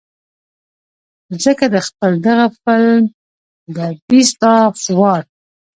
ځکه د خپل دغه فلم The Beast of War